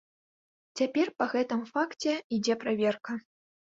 Цяпер па гэтым факце ідзе праверка.